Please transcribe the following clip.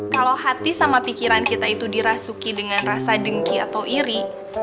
kalau hati sama pikiran kita itu dirasuki dengan rasa dengki atau iri